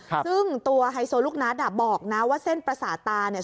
ซึ่งตัวไฮโซลูกนัดอ่ะบอกนะว่าเส้นประสาทตาเนี่ย